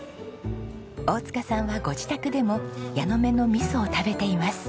大塚さんはご自宅でも矢ノ目の味噌を食べています。